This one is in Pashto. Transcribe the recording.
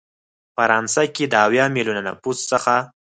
فرانسه کې د اویا ملیونه نفوس څخه